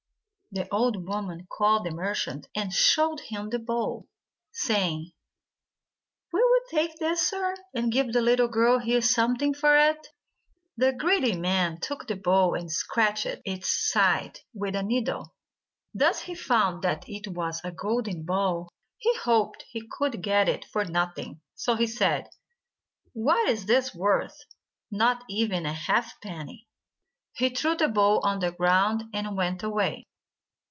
The old woman called the merchant and showed him the bowl, saying, "Will you take this, sir, and give the little girl here something for it?" The greedy man took the bowl and scratched its side with a needle. Thus he found that it was a golden bowl. He hoped he could get it for nothing, so he said: "What is this worth? Not even a half penny." He threw the bowl on the ground, and went away.